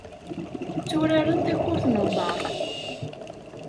Tturaren takurt n uḍar.